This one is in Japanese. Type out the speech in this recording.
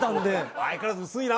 相変わらず薄いな。